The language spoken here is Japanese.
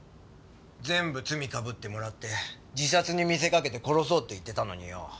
全部罪被ってもらって自殺に見せかけて殺そうって言ってたのによ。